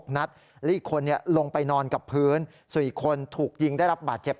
นัดและอีกคนลงไปนอนกับพื้นส่วนอีกคนถูกยิงได้รับบาดเจ็บ